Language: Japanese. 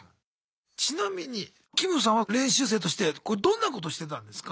ちなみにキムさんは練習生としてこれどんなことしてたんですか？